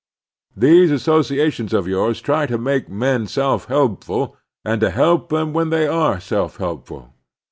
Tliese associations of yours try to make men self helpful and to help them when they are self helpful.